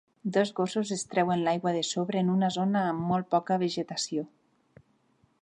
Dos gossos es treuen l'aigua de sobre en una zona amb molt poca vegetació.